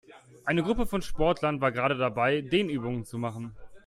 Eine Gruppe von Sportlern war gerade dabei, Dehnübungen zu machen.